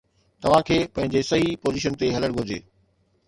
توھان کي پنھنجي صحيح پوزيشن تي ھلڻ گھرجي.